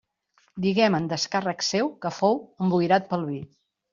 Diguem en descàrrec seu que fou emboirat pel vi.